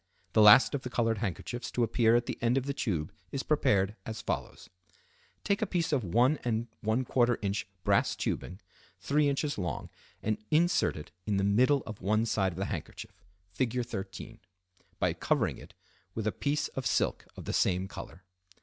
The last of the colored handkerchiefs to appear at the end of the tube is prepared as follows:—Take a piece of 1¼ in. brass tubing, 3 in. long, and insert it in the middle of one side of the handkerchief (Fig. 13), by covering it with a piece of silk of the same color.